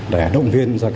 để động viên cho các tổ chức